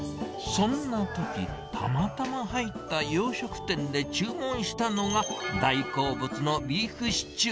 そんなとき、たまたま入った洋食店で注文したのが、大好物のビーフシチュー。